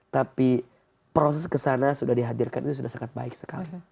tapi proses kesana sudah dihadirkan itu sudah sangat baik sekali